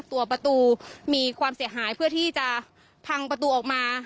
ตัวประตูมีความเสียหายเพื่อที่จะพังประตูออกมา